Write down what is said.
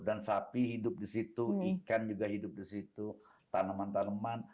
dan sapi hidup di situ ikan juga hidup di situ tanaman tanaman